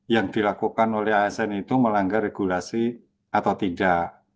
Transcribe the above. yang dilakukan oleh asn itu melanggar regulasi atau tidak